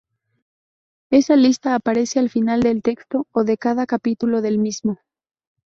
Esa lista aparece al final del texto o de cada capítulo del mismo.